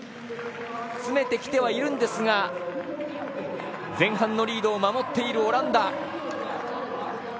詰めてきてはいるんですが前半のリードを守っているオランダ。